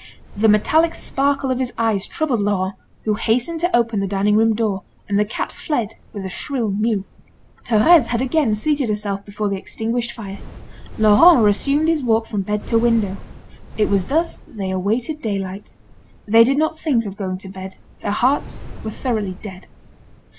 The metallic sparkle of his eyes troubled Laurent, who hastened to open the dining room door, and the cat fled with a shrill mew. Thérèse had again seated herself before the extinguished fire. Laurent resumed his walk from bed to window. It was thus that they awaited day light. They did not think of going to bed; their hearts were thoroughly dead.